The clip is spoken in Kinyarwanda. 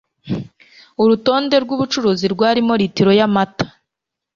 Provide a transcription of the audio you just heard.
Urutonde rwubucuruzi rwarimo litiro y amata.